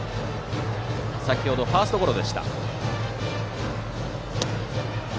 先程はファーストゴロ。